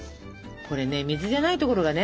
これね水じゃないところがね。